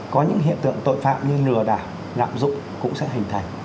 có những hiện tượng tội phạm như lừa đảo lạm dụng cũng sẽ hình thành